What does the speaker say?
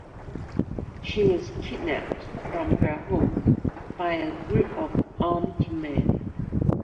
She was kidnapped from her home by an group of armed men.